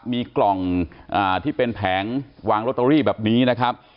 มีกล่องที่เป็นแผงวางลอตเตอรี่แบบนี้นะครับ